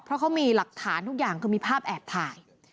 เพราะเขามีหลักฐานทุกอย่างคือมีภาพแอบถ่าย